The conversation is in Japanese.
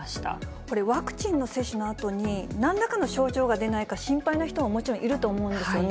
これ、ワクチンの接種のあとになんらかの症状が出ないか心配な人はもちろんいると思うんですよね。